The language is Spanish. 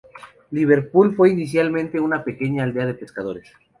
Liverpool fue inicialmente una pequeña aldea de pescadores.